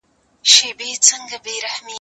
موږ چي ول دا ستونزه به حل سي